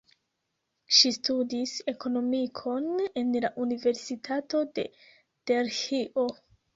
Ŝi studis ekonomikon en la Universitato de Delhio.